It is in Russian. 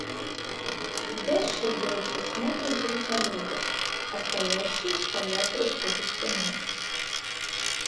Сидящие группы смотрят друг на друга, а стоящие стоят друг к другу спиной.